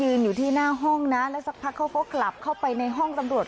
อยู่ที่หน้าห้องนะแล้วสักพักเขาก็กลับเข้าไปในห้องตำรวจ